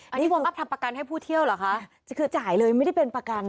อันนี้วอร์มอัพทำประกันให้ผู้เที่ยวเหรอคะคือจ่ายเลยไม่ได้เป็นประกัน